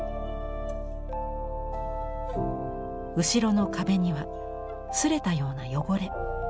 後ろの壁には擦れたような汚れ。